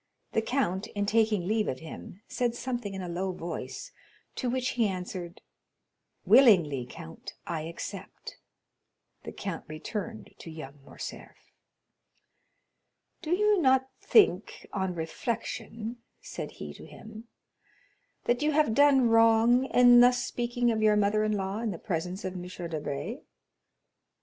The count, in taking leave of him, said something in a low voice, to which he answered, "Willingly, count; I accept." The count returned to young Morcerf. "Do you not think, on reflection," said he to him, "that you have done wrong in thus speaking of your mother in law in the presence of M. Debray?"